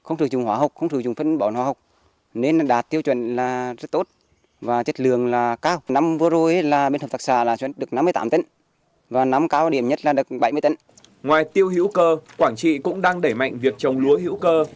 ngoài tiêu hữu cơ quảng trị cũng đang đẩy mạnh việc trồng lúa hữu cơ